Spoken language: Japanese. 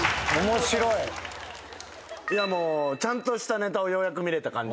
ちゃんとしたネタをようやく見られた感じ。